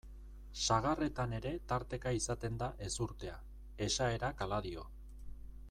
Sagarretan ere tarteka izaten da ezurtea, esaerak hala dio.